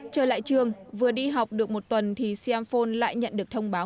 trở lại trường vừa đi học được một tuần thì siam phôn lại nhận được thông báo